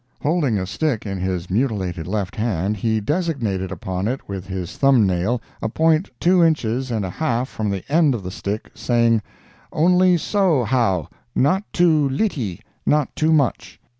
Holding a stick in his mutilated left hand, he designated upon it with his thumb nail a point two inches and a half from the end of the stick, saying, "Only so how—not too litty, not too much!"